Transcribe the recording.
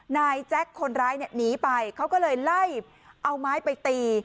นายแจ็คคนร้ายเนี่ยหนีไปเขาก็เลยไล่เอาไม้ไปตี